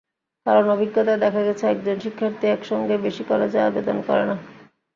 কারণ, অভিজ্ঞতায় দেখা গেছে, একজন শিক্ষার্থী একসঙ্গে বেশি কলেজে আবেদন করে না।